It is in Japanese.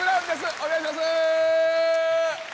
お願いします。